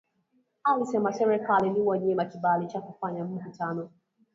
Alisema serikali iliwanyima kibali cha kufanya mkutano